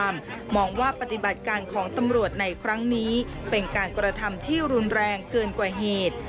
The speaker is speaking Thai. มองว่าปฏิบัติการของตำรวจในครั้งนี้เป็นการกระทำที่รุนแรงเกินกว่าเหตุ